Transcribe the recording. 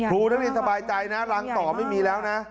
พูดังนี้สบายใจนะรังต่อไม่มีแล้วนะ